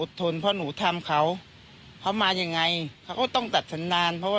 ทนเพราะหนูทำเขาเขามายังไงเขาก็ต้องตัดสัญญาณเพราะว่า